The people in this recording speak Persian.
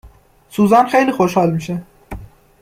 سوزان خیلی خوشحال میشه